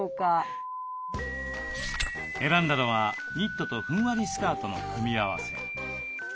選んだのはニットとふんわりスカートの組み合わせ。